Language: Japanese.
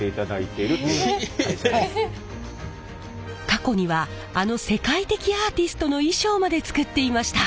過去にはあの世界的アーティストの衣装まで作っていました！